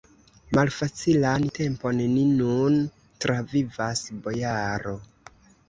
Malfacilan tempon ni nun travivas, bojaro!